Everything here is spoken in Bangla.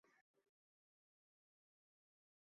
আহ্ এটা না।